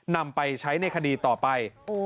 นำไปใช้ในคดีต่อไป